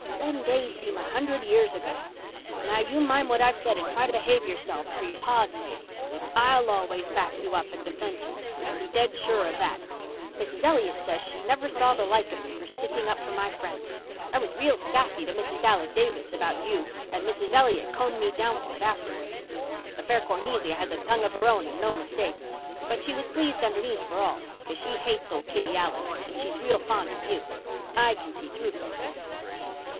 Them days seem a hundred years ago. Now, you mind what I've said and try to behave yourselves, for you pa's sake. I'll always back you up and defend you—you can be dead sure of that. Mrs. Elliott says she never saw the like of me for sticking up for my friends. I was real sassy to Mrs. Alec Davis about you and Mrs. Elliott combed me down for it afterwards. The fair Cornelia has a tongue of her own and no mistake. But she was pleased underneath for all, 'cause she hates old Kitty Alec and she's real fond of you. I can see through folks."